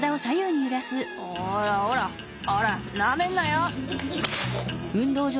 おらおらおらなめんなよ！」。